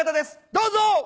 どうぞ。